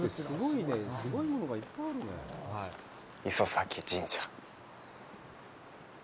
磯前神社。